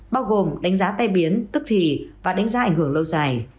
bao gồm đánh giá tay biến tức thị và đánh giá ảnh hưởng lâu dài